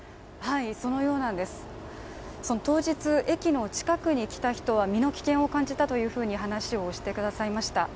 当日駅の近くに来た人は身の危険を感じたというふうに話をしてくださいました。